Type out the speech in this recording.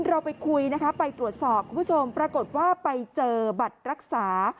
เราไปคุยนะคะไปตรวจสอบคุณผู้ชมปรากฏว่าไปเจอบัตรรักษา